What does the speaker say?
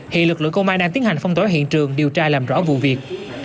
hiện lực lượng công an đang tiến hành phong tỏa hiện trường điều tra làm rõ vụ việc